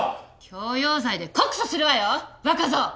強要罪で告訴するわよ若造！